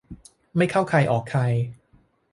ไม่เข้าใครออกใคร